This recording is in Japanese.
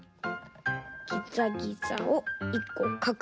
ギザギザを１こかく。